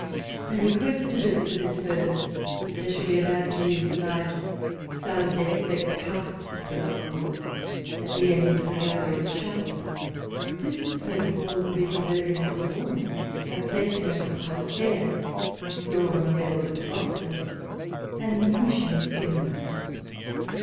They requested that for this purpose they should be allowed to use the large Salle des Spectacles de la Cour, at the end of the gallery of the Chapel. This superb hall could be converted into a ball room by placing over the parterre a floor on a level with the boxes, and the permission was given them.